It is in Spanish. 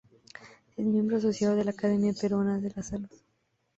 Es miembro asociada de la Academia Peruana de la Salud.